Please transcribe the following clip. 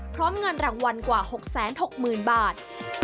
พร้อมเงินรางวัลกว่า๖๖๐๐๐บาท